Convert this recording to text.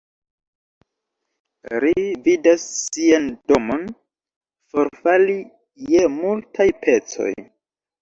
Ri vidas sian domon forfali je multaj pecoj.